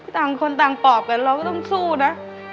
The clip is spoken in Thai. ต่างคนต่างปอบกันเราก็ต้องสู้นะ